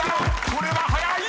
［これは早い！］